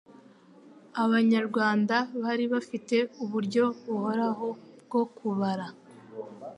Abanyarwanda bari bafite uburyo buhoraho bwo kubara